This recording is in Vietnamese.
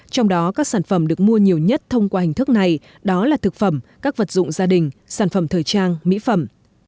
trong đó các sản phẩm được mua nhiều nhất thông qua hình thức này đó là thực phẩm các vật dụng gia đình sản phẩm thời trang mỹ phẩm